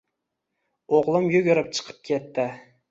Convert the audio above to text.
O`g`lim yugurib chiqib ketdi